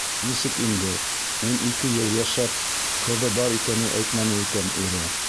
Нисек инде, ун ике йыл йәшәп, ҡыҙы бар икәнен әйтмәне икән ире?